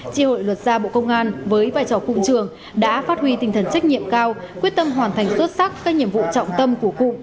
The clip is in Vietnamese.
tri hội luật xa bộ công an với vai trò cụm trưởng đã phát huy tinh thần trách nhiệm cao quyết tâm hoàn thành xuất sắc các nhiệm vụ